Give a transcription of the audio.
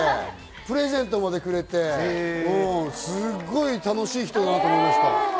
プレゼントまでくれて、すっごい楽しい人だなと思いました。